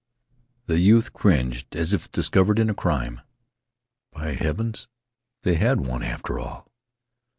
The youth cringed as if discovered in a crime. By heavens, they had won after all!